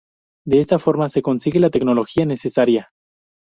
De esta forma se consigue la tecnología necesaria.